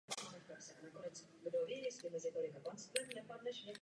Program je převážně sestaven z vlastní tvorby televize Prima.